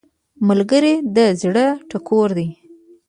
ملګری د زړه ټکور دی